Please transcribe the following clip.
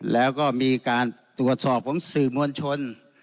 แล้วก็มีการตรวจสอบของสื่อมวลชน